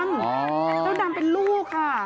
เจ้าดำเป็นลูกค่ะ